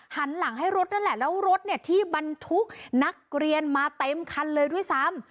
หันหลังให้รถนั่นแหละแล้วรถเนี่ยที่บรรทุกนักเรียนมาเต็มคันเลยด้วยซ้ำ